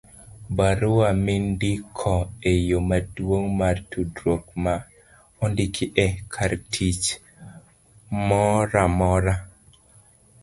barua mindiko e yo maduong' mar tudruok ma ondiki e kartich moramora